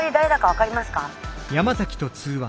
分かります。